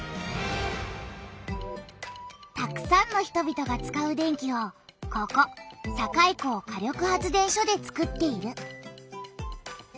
たくさんの人々が使う電気をここ堺港火力発電所でつくっている。